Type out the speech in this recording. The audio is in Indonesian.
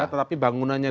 tetapi bangunannya dulu